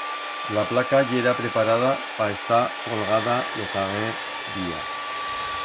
La placa yera preparada pa estar colgada lo zaguer día.